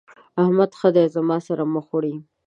احمد ښه دی زما سره مخ وړي.